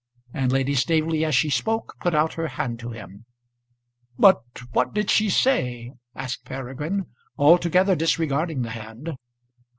And Lady Staveley as she spoke, put out her hand to him. "But what did she say?" asked Peregrine, altogether disregarding the hand.